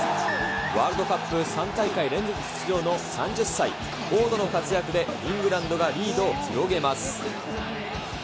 ワールドカップ３大会連続出場の３０歳、フォードの活躍でイングランドがリードを広げます。